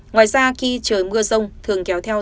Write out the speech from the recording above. ngoài ra khi trời mưa rông thường kéo theo